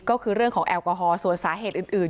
ก็คือเรื่องของแอลกอฮอลส่วนสาเหตุอื่น